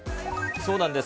そうなんです。